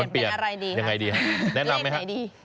เปลี่ยนเป็นอะไรดีแนะนำไหมคะ